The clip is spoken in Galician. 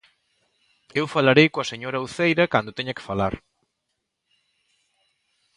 Eu falarei coa señora Uceira cando teña que falar.